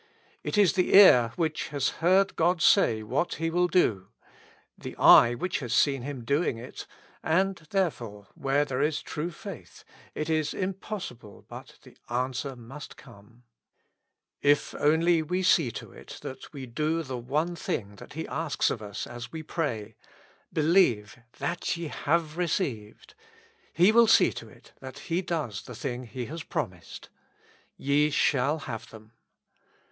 It is the ear which has heard God say what He will do, the eye which has seen Him doing it, and, therefore, where there is true faith, it is im possible but the answer must come. If we only see to it that we do the one thing that He asks of us as we pray: 'Q'eia^yk that ye have received ; He will see to it that He does the thing He has promised :" Ye shall have them.''''